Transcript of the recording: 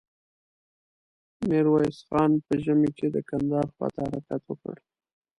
ميرويس خان په ژمې کې د کندهار خواته حرکت وکړ.